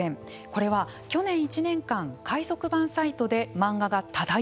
これは去年１年間海賊版サイトで漫画がタダ